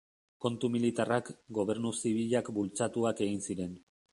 Kontu militarrak, gobernu zibilak bultzatuak egin ziren.